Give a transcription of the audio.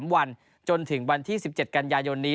๓วันจนถึงวันที่๑๗กันยายนนี้